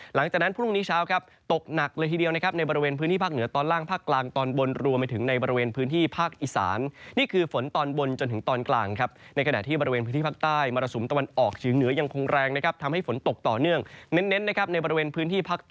หลังจากนั้นพรุ่งนี้เช้าก็ด้วยตกหนักเลยทีเดียวแบบที่ในบริเวณพื้นที่ภาคร